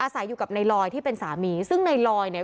ใส่อยู่กับในลอยที่เป็นสามีซึ่งในลอยเนี่ย